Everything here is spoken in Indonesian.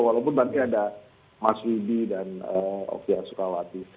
walaupun nanti ada mas widi dan oksia sukawati